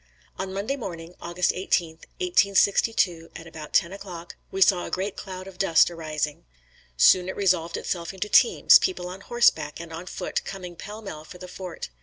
On Monday morning, August eighteenth, 1862, at about ten o'clock, we saw a great cloud of dust arising. Soon it resolved itself into teams, people on horseback and on foot coming pell mell for the fort.